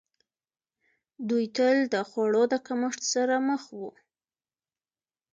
دوی تل د خوړو د کمښت سره مخ وو.